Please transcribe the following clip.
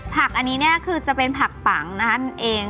ผักอันนี้คือจะเป็นผักปํำนั่นเอง